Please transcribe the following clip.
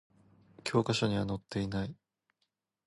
教科書には載っていない